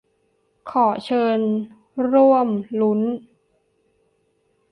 ขอเชิญร่วมลุ้น !